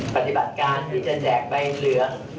ปฏิบัติการเพื่อจะแจกใบเหลือง